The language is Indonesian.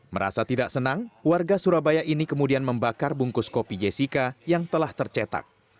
merasa tidak senang warga surabaya ini kemudian membakar bungkus kopi jessica yang telah tercetak